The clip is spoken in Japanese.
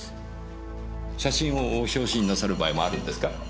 写真を表紙になさる場合もあるんですか？